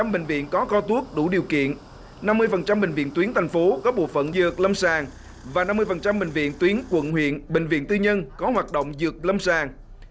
một mươi bệnh viện có kho thuốc đủ điều kiện năm mươi bệnh viện tuyến thành phố có bộ phận dược lâm sàng và năm mươi bệnh viện tuyến quận huyện bệnh viện tư nhân có hoạt động dược lâm sàng